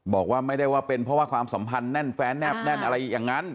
บอกว่าไม่ได้ว่าเป็นเพราะว่าความสัมพันธ์แน่นแฟนแนบแน่นอะไรอย่างนั้น